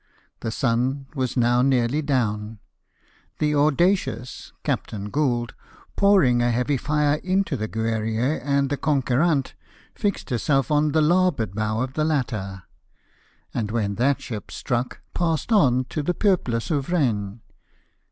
The sun Avas now nearly down. The Amlacunif^, Captain Gould, pour ing a heavy fire into the Giierrlev and the Gonqnd rant, fixed herself on the larboard bow of the latter ; and Avheh that ship struck, passed on to the Peiiple Souverain.